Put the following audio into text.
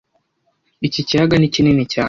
Iki kiyaga ni kinini cyane